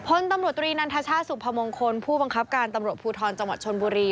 พลตำรวจตรีนันทชาติสุพมงคลผู้บังคับการตำรวจภูทรจังหวัดชนบุรี